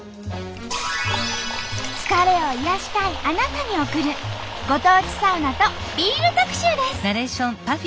疲れを癒やしたいあなたに送るご当地サウナとビール特集です。